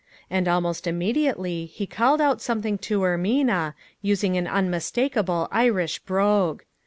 And almost immediately he called out something to Ermina, using an unmistakable Irish brogue.